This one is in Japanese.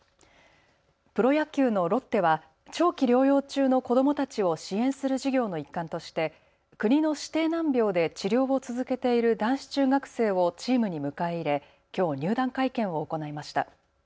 プロ野球のロッテは長期療養中の子どもたちを支援する事業の一環として国の指定難病で治療を続けている男子中学生をチームに迎え入れきょう入団会見を行いました。